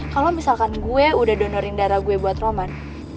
kalau misalkan gue udah donorin darah gue buat roman